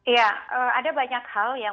ya ada banyak hal yang